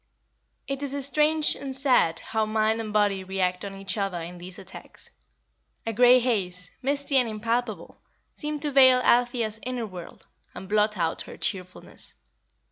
It is strange and sad how mind and body react on each other in these attacks. A grey haze, misty and impalpable, seemed to veil Althea's inner world, and blot out her cheerfulness.